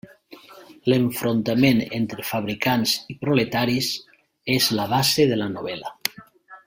L'enfrontament entre fabricants i proletaris és la base de la novel·la.